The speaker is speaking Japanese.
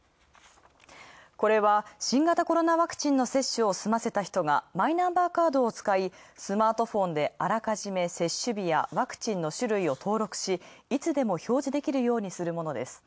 これは新型コロナワクチンの接種を済ませた人がマイナンバーカードを使いスマートフォンであらかじめ接種日やワクチンの種類を登録しいつでも表示できるようにするものです。